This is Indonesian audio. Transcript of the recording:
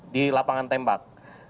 di lapangan tembak